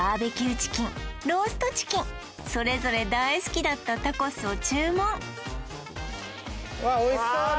チキンローストチキンそれぞれ大好きだったタコスを注文わっおいしそうね